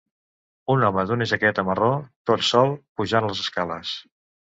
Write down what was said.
Un home d'una jaqueta marró tot sol pujant les escales.